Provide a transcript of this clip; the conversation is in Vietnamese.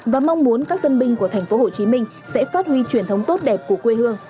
và mong muốn các tân binh của tp hcm sẽ phát huy truyền thống tốt đẹp của quê hương